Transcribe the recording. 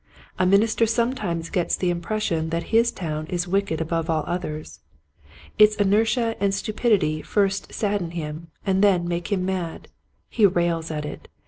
A minister sometimes gets the impression that his town is wicked above all others. Its inertia and stupidity first sadden him and then make him mad. He rails at it.